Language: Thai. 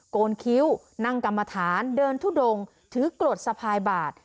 โกนคิ้วนั่งกรรมฐานเดินทุดงถือกรดสะพายบาท